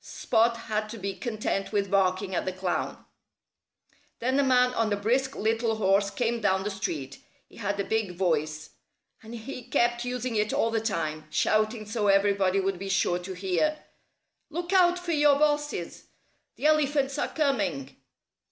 Spot had to be content with barking at the clown. Then a man on a brisk little horse came down the street. He had a big voice. And he kept using it all the time, shouting so everybody would be sure to hear, "Look out for your bosses! The elephants are coming!"